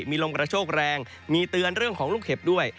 มีลมกระโชคแรงมีเตือนเรื่องของลูกเห็บด้วย